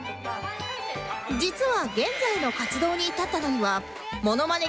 実は現在の活動に至ったのにはモノマネ